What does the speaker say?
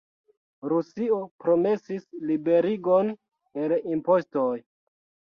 Rusio promesis liberigon el impostoj.